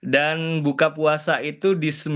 dan buka puasa itu di jam empat tiga puluh